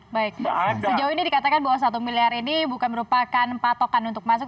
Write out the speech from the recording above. baik sejauh ini dikatakan bahwa satu miliar ini bukan merupakan patokan untuk masuk